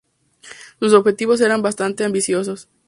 Sus objetivos eran bastante ambiciosos.